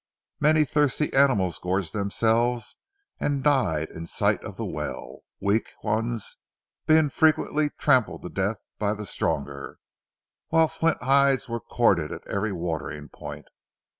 Many thirsty animals gorged themselves, and died in sight of the well; weak ones being frequently trampled to death by the stronger, while flint hides were corded at every watering point.